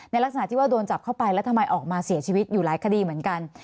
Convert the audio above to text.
ลักษณะที่ว่าโดนจับเข้าไปแล้วทำไมออกมาเสียชีวิตอยู่หลายคดีเหมือนกัน